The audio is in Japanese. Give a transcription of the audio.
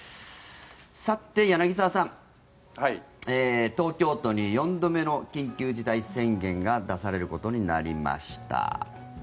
さて、柳澤さん東京都に４度目の緊急事態宣言が出されることになりました。